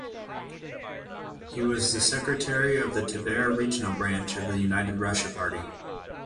He was the secretary of the Tver regional branch of the United Russia party.